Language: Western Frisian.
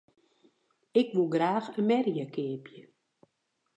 Ik woe graach in merje keapje.